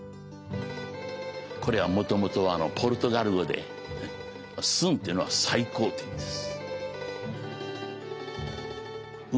これはもともとはポルトガル語で「スン」というのは「最高」という意味です。